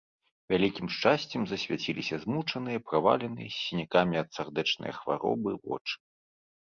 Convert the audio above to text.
Вялікім шчасцем засвяціліся змучаныя, праваленыя, з сінякамі ад сардэчнае хваробы вочы.